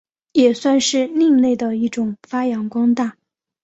也算是另类的一种发扬光大。